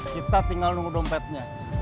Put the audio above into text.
kita tinggal nunggu dompetnya